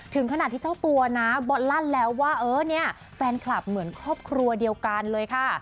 ถึงขนาดที่เจ้าตัวนะบอลลั่นแล้วว่าเออเนี่ยแฟนคลับเหมือนครอบครัวเดียวกันเลยค่ะ